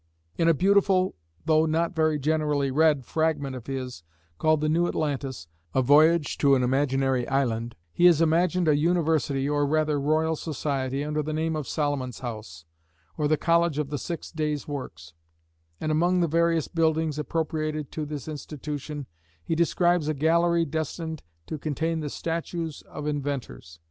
In a beautiful, though not very generally read fragment of his, called the New Atlantis, a voyage to an imaginary island, he has imagined a university, or rather royal society, under the name of Solomon's House, or the College of the Six Days' Works; and among the various buildings appropriated to this institution, he describes a gallery destined to contain the statues of inventors.